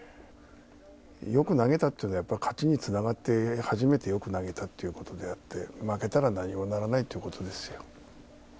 よく投げたっていうのはやっぱり勝ちにつながって初めてよく投げたっていうので負けたら何もならないっていうことですよ。